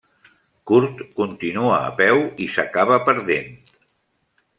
Curt continua a peu i s'acaba perdent.